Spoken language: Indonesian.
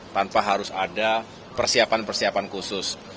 tanpa harus ada persiapan persiapan khusus